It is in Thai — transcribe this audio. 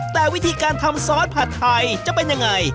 แต่วิธีการทำซอสผัดไทยจะเป็นยังไง